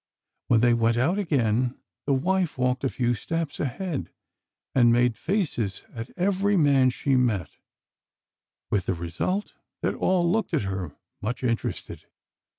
When they went out again, the wife walked a few steps ahead and made faces at every man she met, with the result that all looked at her, much interested.